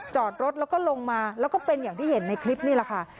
จอดรถแล้วก็ลงมาแล้วก็เป็นอย่างที่เห็นในคลิปนี่แหละค่ะ